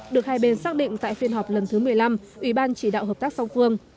được hai bên xác định tại phiên họp lần thứ một mươi năm ủy ban chỉ đạo hợp tác song phương